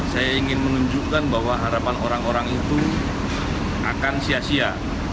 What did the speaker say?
saya ingin menunjukkan bahwa harapan orang orang itu akan sia sia